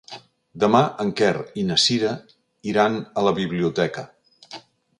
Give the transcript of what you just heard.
Demà en Quer i na Cira iran a la biblioteca.